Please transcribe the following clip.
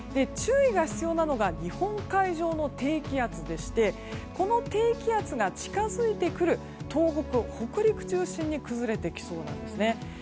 注意が必要なのが日本海上の低気圧でしてこの低気圧が近づいてくる東北、北陸中心に崩れてきそうなんですね。